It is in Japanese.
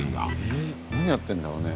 「何やってるんだろうね？」